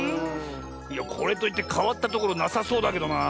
いやこれといってかわったところなさそうだけどなあ。